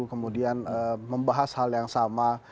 kemudian membahas hal yang sama